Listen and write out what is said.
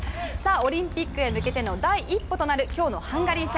オリンピックへ向けての第一歩となる今日のハンガリー戦。